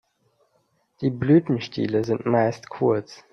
Die Blütenstiele sind meist kurz.